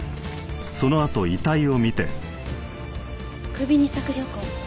首に索条痕。